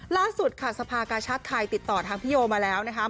ล่าสุดค่ะสภากาชาติไทยติดต่อทางพี่โยมาแล้วนะคะ